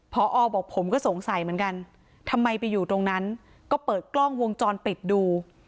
พอบอกผมก็สงสัยเหมือนกันทำไมไปอยู่ตรงนั้นก็เปิดกล้องวงจรปิดดู